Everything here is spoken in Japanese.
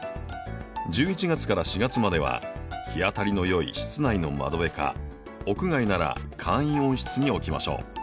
１１月から４月までは日当たりのよい室内の窓辺か屋外なら簡易温室に置きましょう。